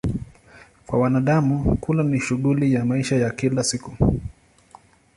Kwa wanadamu, kula ni shughuli ya maisha ya kila siku.